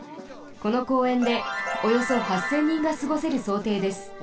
この公園でおよそ８，０００人がすごせるそうていです。